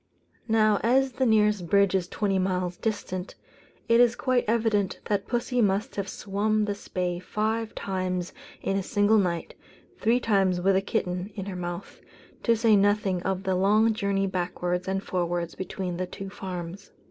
Now, as the nearest bridge is twenty miles distant, it is quite evident that pussy must have swum the Spey five times in a single night (three times with a kitten in her mouth), to say nothing of the long journeys backwards and forwards between the two farms.